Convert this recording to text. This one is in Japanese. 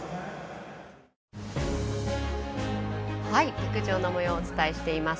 陸上のもようをお伝えしています。